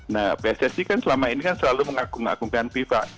nah pssc kan selama ini selalu mengakungkan viva